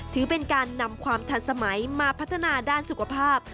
ถือเป็นการนำความทันสมัยมาพัฒนาด้านสุขภาพ